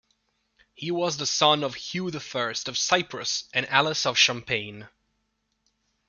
He was the son of Hugh the First of Cyprus and Alice of Champagne.